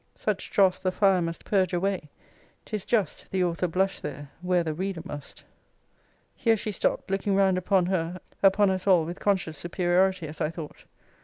Such dross the fire must purge away: 'Tis just The author blush there, where the reader must. Here she stopt, looking round upon her upon us all with conscious superiority, as I thought.